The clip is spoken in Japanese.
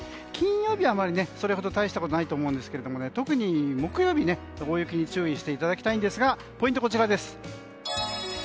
金曜日はそれほど大したことがないと思うんですが特に木曜日、大雪に注意していただきたいんですがポイントはこちらです。